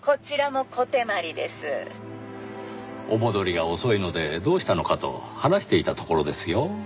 お戻りが遅いのでどうしたのかと話していたところですよ。